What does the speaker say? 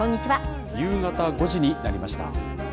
夕方５時になりました。